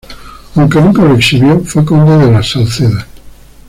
Aunque nunca lo exhibió, fue conde de la Salceda.